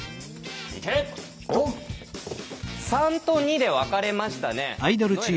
３と２で分かれましたね。